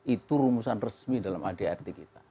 itu rumusan resmi dalam adrt kita